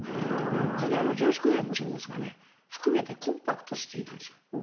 あの城址公園もそうですが含めてコンパクトシティーなんですよ。